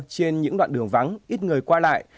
trên những đoạn đường vắng ít người qua lại